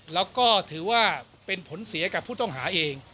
แล้วก็ถือว่าเป็นผลเสียกับผู้ต้องหาเอง